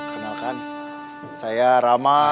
kenalkan saya rama